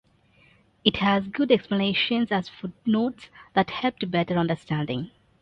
It has good explanations as footnotes that help to better understanding.